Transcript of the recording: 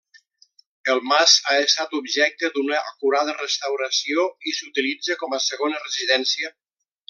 El mas ha estat objecte d'una acurada restauració i s'utilitza com a segona residència.